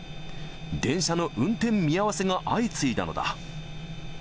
電車の運転見合わせが相次いだのだ。